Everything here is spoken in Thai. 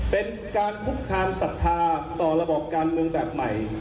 เป็นการคุกคามศรัทธาต่อระบอบการเมืองแบบใหม่